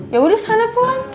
ya udah sana pulang